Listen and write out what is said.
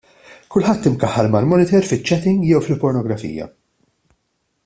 Kulħadd imkaħħal mal-monitor fiċ-chatting jew fil-pornografija.